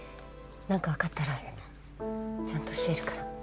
何かわかったらちゃんと教えるから。